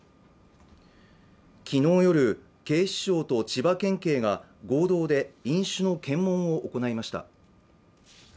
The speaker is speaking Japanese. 昨日夜、警視庁と千葉県警が合同で飲酒の検問を行いました